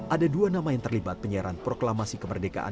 ada dua nama yang terlibat penyiaran proklamasi kemerdekaan